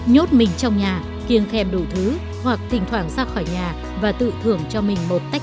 nhốt mình trong nhà kiêng khem đủ thứ hoặc thỉnh thoảng ra khỏi nhà và tự thưởng về bản thân